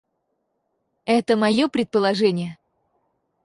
Это моё предположение.